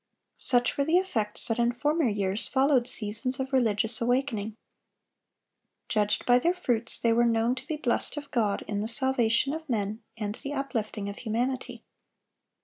Such were the effects that in former years followed seasons of religious awakening. Judged by their fruits, they were known to be blessed of God in the salvation of men and the uplifting of humanity.